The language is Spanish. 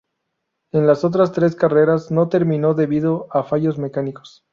En las otras tres carreras, no terminó debido a fallos mecánicos.